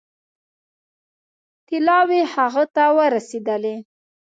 طلاوې هغه ته ورسېدلې.